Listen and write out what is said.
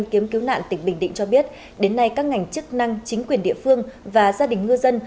kiếm cứu nạn tỉnh bình định cho biết đến nay các ngành chức năng chính quyền địa phương và gia đình ngư dân